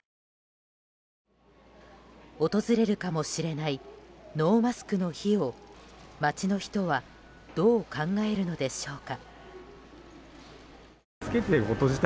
訪れるかもしれないノーマスクの日を街の人はどう考えるのでしょうか。